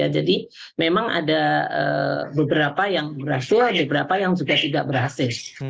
jadi memang ada beberapa yang berhasil ada beberapa yang juga tidak berhasil